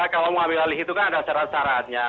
kalau mau ambil alih itu kan ada syarat syaratnya